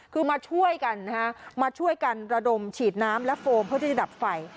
คือมาช่วยกันนะฮะมาช่วยกันระดมฉีดน้ำและโฟมเพื่อที่จะดับไฟ